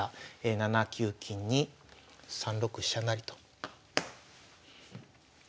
７九金に３六飛車成と。